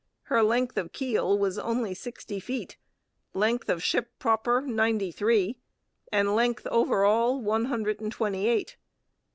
Her length of keel was only sixty feet; length of ship proper, ninety three; and length over all, one hundred and twenty eight.